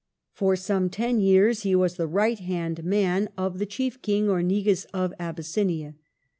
For some ten years he was the right hand man of the chief King or Negus of Abyssinia.